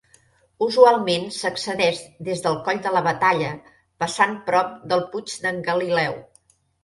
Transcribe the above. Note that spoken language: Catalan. Usualment s'accedeix des del Coll de la Batalla, passant prop del Puig d'en Galileu.